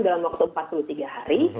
dalam waktu empat puluh tiga hari